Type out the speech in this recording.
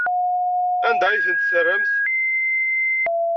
Anda ay tent-terramt?